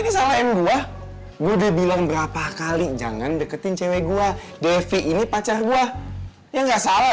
ini salah yang dua udah bilang berapa kali jangan deketin cewek gua devi ini pacar gua ya nggak salah